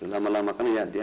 lama lama kan ya